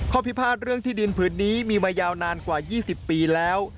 พิพาทเรื่องที่ดินผืนนี้มีมายาวนานกว่า๒๐ปีแล้ว